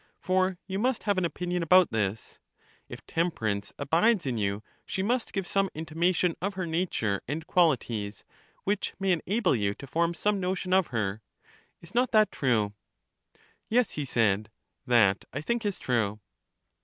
for you must have an opinion about this: if temperance abides in you, she must give some intimation of her nature and quali ties, which may enable you to form some notion of her. Is not that true? Yes, he said, that I think is true.